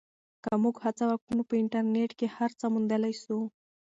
که موږ هڅه وکړو نو په انټرنیټ کې هر څه موندلی سو.